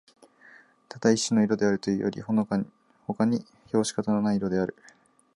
ただ一種の色であるというよりほかに評し方のない色である